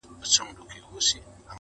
• نړیوال راپورونه پرې زياتيږي..